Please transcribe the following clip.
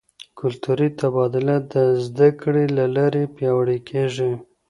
کلتوري تبادله د زده کړې له لارې پیاوړې کیږي.